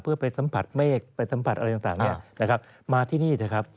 เพื่อไปสัมผัสเมฆไปสัมผัสอะไรต่างมาที่นี่